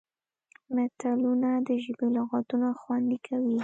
متلونه د ژبې لغتونه خوندي کوي